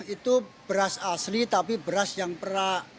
itu beras asli tapi beras yang perak